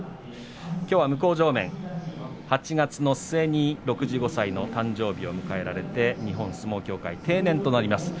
きょうは向正面、８月の末に６５歳の誕生日を迎えられて日本相撲協会を定年となります